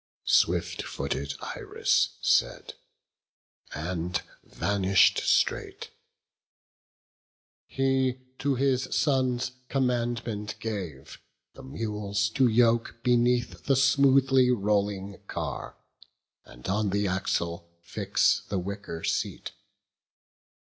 Swift footed Iris said, and vanish'd straight: He to his sons commandment gave, the mules To yoke beneath the smoothly rolling car, And on the axle fix the wicker seat.